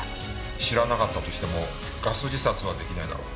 知らなかったとしてもガス自殺は出来ないだろう。